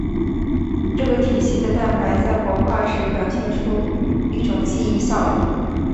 这个种系的蛋白在活化时表现出一种记忆效应。